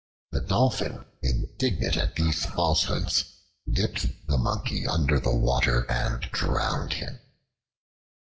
The Dolphin, indignant at these falsehoods, dipped the Monkey under the water and drowned him.